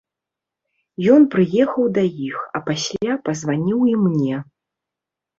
Ён прыехаў да іх, а пасля пазваніў і мне.